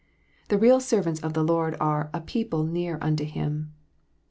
The real servants of the Lord are " a people near unto Him."